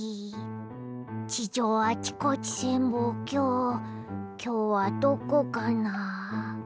地上あちこち潜望鏡きょうはどこかな？